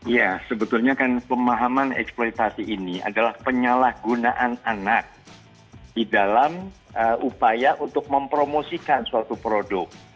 ya sebetulnya kan pemahaman eksploitasi ini adalah penyalahgunaan anak di dalam upaya untuk mempromosikan suatu produk